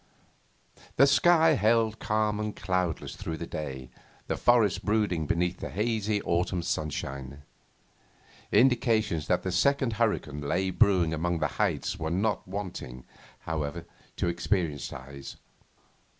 The sky held calm and cloudless through the day, the forests brooding beneath the hazy autumn sunshine. Indications that the second hurricane lay brewing among the heights were not wanting, however, to experienced eyes.